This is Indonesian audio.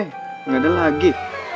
nggak ada lagi